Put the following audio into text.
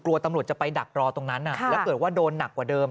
ตำรวจจะไปดักรอตรงนั้นแล้วเกิดว่าโดนหนักกว่าเดิม